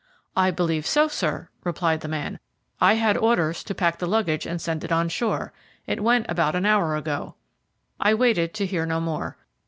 "I believe so, sir," replied the man. "I had orders to pack the luggage and send it on shore. It went about an hour ago." I waited to hear no more.